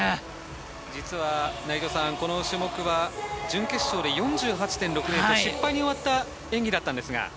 この種目は準決勝は４８．６０で失敗に終わった演技だったんですが。